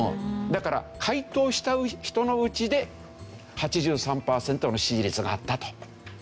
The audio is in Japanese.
だから回答した人のうちで８３パーセントの支持率があったと。